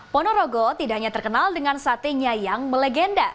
ponorogo tidak hanya terkenal dengan sate nyayang melegenda